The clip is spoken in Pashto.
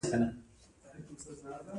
شیخزاید پوهنتون پۀ خوست ولایت کې دی.